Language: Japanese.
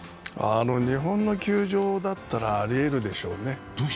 日本の球場だったらありえるでしょうね。